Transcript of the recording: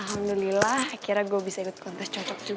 alhamdulillah akhirnya gue bisa ikut kontes cocok juga